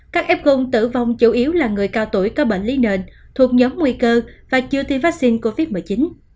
các f gom tử vong chủ yếu là người cao tuổi có bệnh lý nền thuộc nhóm nguy cơ và chưa tiêm vaccine covid một mươi chín